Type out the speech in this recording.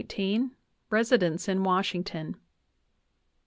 DAVIS RESIDENCE IN WASHINGTON.